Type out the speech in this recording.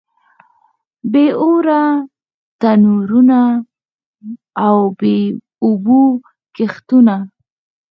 بې اوره تنورونه او بې اوبو کښتونه.